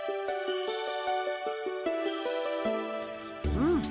うん。